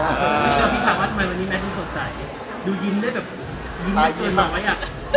แล้วพี่ท้าวัดวันนี้แม่คือสนใจดูยิ้มได้แบบยิ้มตัวน้อยอ่ะ